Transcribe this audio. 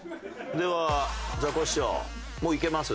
ではザコシショウもういけます？